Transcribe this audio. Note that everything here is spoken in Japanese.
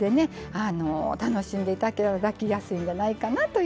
楽しんでいただきやすいんじゃないかなというふうに思います。